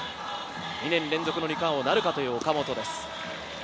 ２年連続の二冠王なるかという岡本です。